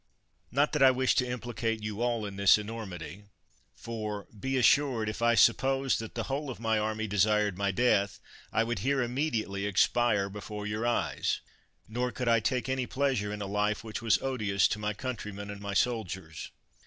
Not that I wish to implicate you all in this enormity; for, be assured, if I supposed that the whole of my army desired my death, I would here immediately expire before your eyes; nor could I take any pleasure in a life which was odious to my countrymen and my soldiers.